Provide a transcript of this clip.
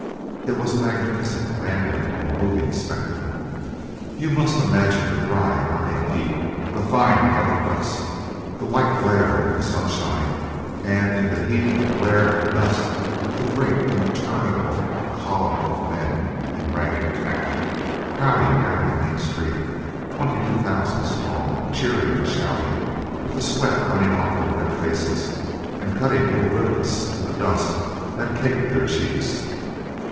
It was a magnificent, manly, and moving spectacle. You must imagine the dry, burning heat, the fine, yellow dust, the white glare of the sunshine, and in the heat and glare and dust the great interminable column of men in ragged khaki crowding down the main street, twenty two thousand strong, cheering and shouting, with the sweat running off their red faces and cutting little rivulets in the dust that caked their cheeks.